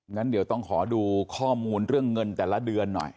งั้นเดี๋ยวต้องขอดูข้อมูลเรื่องเงินแต่ละเดือนหน่อย